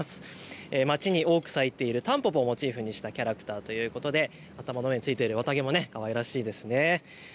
街に多く咲いているたんぽぽをモチーフにしたキャラクターということで頭についている綿毛もかわいらしいですね。